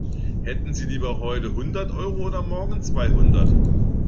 Hätten Sie lieber heute hundert Euro oder morgen zweihundert?